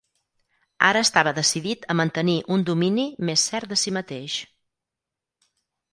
Ara estava decidit a mantenir un domini més cert de sí mateix.